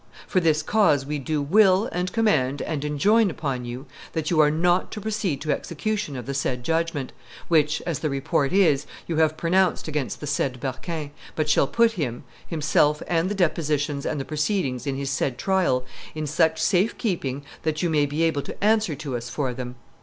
... For this cause we do will and command and enjoin upon you .. that you are not to proceed to execution of the said judgment, which, as the report is, you have pronounced against the said Berquin, but shall put him, himself and the depositions and the proceedings in his said trial, in such safe keeping that you may be able to answer to us for them.